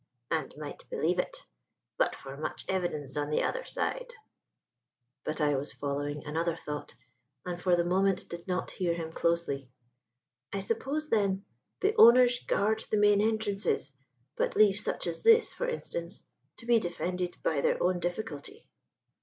"And might believe it but for much evidence on the other side." But I was following another thought, and for the moment did not hear him closely. "I suppose, then, the owners guard the main entrances, but leave such as this, for instance, to be defended by their own difficulty?"